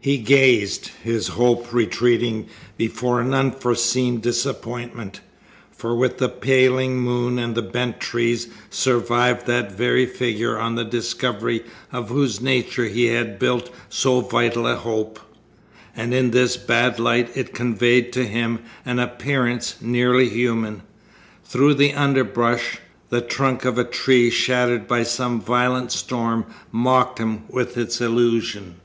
He gazed, his hope retreating before an unforeseen disappointment, for with the paling moon and the bent trees survived that very figure on the discovery of whose nature he had built so vital a hope; and in this bad light it conveyed to him an appearance nearly human. Through the underbrush the trunk of a tree shattered by some violent storm mocked him with its illusion.